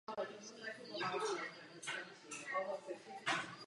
Anna Františka v Postupimi u svého bratra Františka studovala hudbu a zpěv.